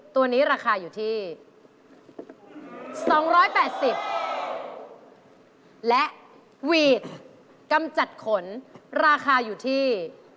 ตัวนี้ราคาอยู่ที่๒๘๐บาทและหวีดกำจัดขนราคาอยู่ที่